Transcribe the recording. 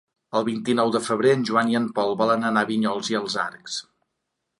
El vint-i-nou de febrer en Joan i en Pol volen anar a Vinyols i els Arcs.